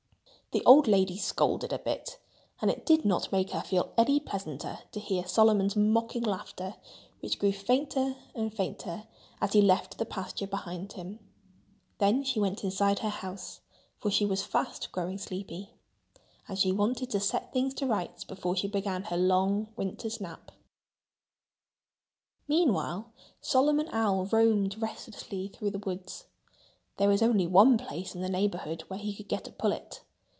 The old lady scolded a bit. And it did not make her feel any pleasanter to hear Solomon's mocking laughter, which grew fainter and fainter as he left the pasture behind him. Then she went inside her house, for she was fast growing sleepy. And she wanted to set things to rights before she began her long winter's nap. Meanwhile, Solomon Owl roamed restlessly through the woods. There was only one place in the neighborhood where he could get a pullet.